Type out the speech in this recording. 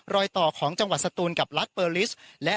รอยต่อของจังหวัดสตูนกับรัฐเบอร์ลิส